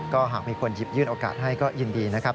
ก็หากมีคนหยิบยื่นโอกาสให้ก็ยินดีนะครับ